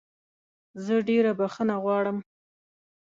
زه ډېره بخښنه غواړم.